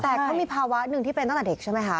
แต่เขามีภาวะหนึ่งที่เป็นตั้งแต่เด็กใช่ไหมคะ